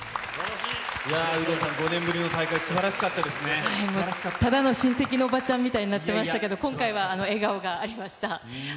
有働さん、５年ぶりの再会、ただの親戚のおばちゃんみたいになってましたけど、今回は笑顔がありました。